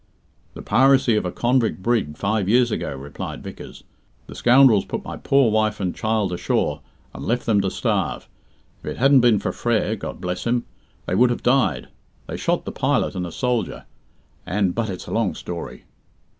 "The piracy of a convict brig five years ago," replied Vickers. "The scoundrels put my poor wife and child ashore, and left them to starve. If it hadn't been for Frere God bless him! they would have died. They shot the pilot and a soldier and but it's a long story."